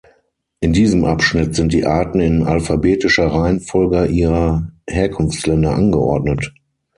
In diesem Abschnitt sind die Arten in alphabetischer Reihenfolge ihrer Herkunftsländer angeordnet.